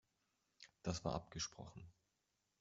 Das war abgesprochen.